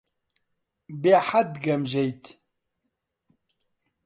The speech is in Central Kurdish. بێحەد گەمژەیت.